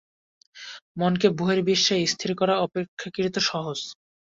মনকে বহির্বিষয়ে স্থির করা অপেক্ষাকৃত সহজ।